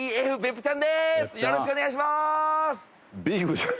よろしくお願いします！